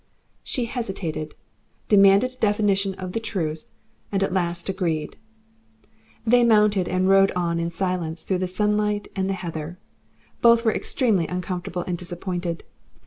She hesitated, demanded a definition of the truce, and at last agreed. They mounted, and rode on in silence, through the sunlight and the heather. Both were extremely uncomfortable and disappointed.